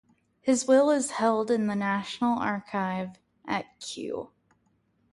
His will is held in the National Archive at Kew.